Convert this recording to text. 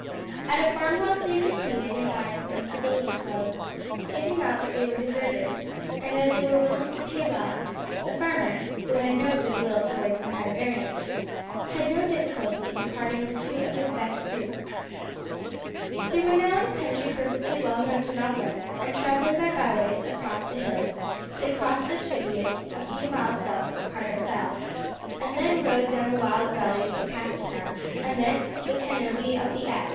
At a farm house they succeeded in buying some civilian clothes, giving out that they were deserters, and as they were willing to pay well, the farmer, who had no goodwill towards the Hanoverians, had no difficulty in parting with two of his best suits. They were now in a country perfectly well known to Malcolm, and travelling by byways across the hills they crossed the Cheviots a few miles south of Carter Fell, and then rode down the wild valleys to Castletown and thence to Canobie of the Esk.